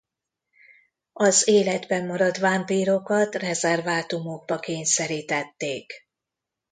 Az életben maradt vámpírokat rezervátumokba kényszerítették.